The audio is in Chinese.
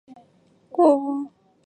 过多的碳水化合物